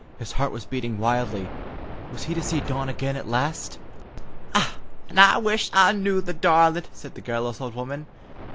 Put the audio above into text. His heart was beating wildly. Was he to see Dawn again at last? "Och! An' I wish I knew, the darlint!" said the garrulous old woman.